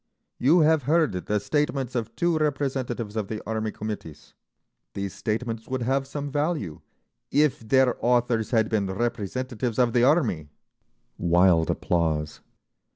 You have heard the statements of two representatives of the Army committees; these statements would have some value if their authors had been representatives of the Army—" Wild applause.